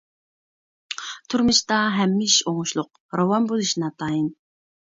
تۇرمۇشتا ھەممە ئىش ئوڭۇشلۇق، راۋان بولۇشى ناتايىن.